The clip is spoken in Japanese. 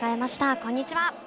こんにちは。